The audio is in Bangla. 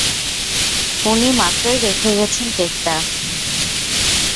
উনি মাত্রই রেখে গেছেন কেকটা।